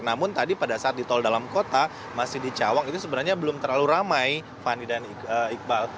namun tadi pada saat di tol dalam kota masih di cawang itu sebenarnya belum terlalu ramai fani dan iqbal